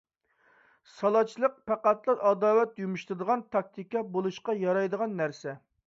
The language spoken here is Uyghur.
سالاچىلىق پەقەتلا ئاداۋەت يۇمشىتىدىغان تاكتىكا بولۇشقا يارايدىغان نەرسە.